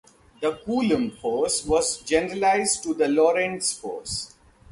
The Coulomb force was generalized to the Lorentz force.